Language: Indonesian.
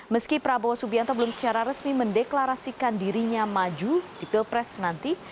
meski prabowo subianto belum secara resmi mendeklarasikan dirinya maju di pilpres nanti